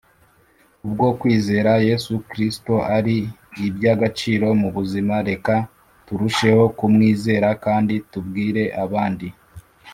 ubwo kwizera yesu kristo ari ibyagaciro mu buzima reka turusheho ku mwizera kandi tubwire abanda